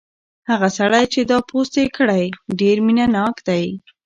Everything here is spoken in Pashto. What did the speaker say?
هغه سړی چې دا پوسټ یې کړی ډېر مینه ناک دی.